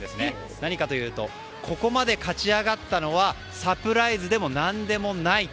何かというとここまで勝ち上がったのはサプライズでも何でもないと。